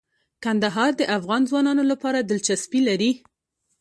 کندهار د افغان ځوانانو لپاره دلچسپي لري.